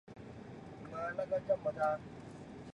出身于岐阜县岐阜市。